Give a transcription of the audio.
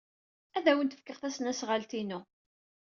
Ad awent-fkeɣ tasnasɣalt-inu.